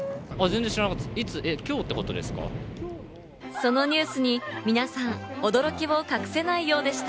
そのニュースに皆さん、驚きを隠せないようでした。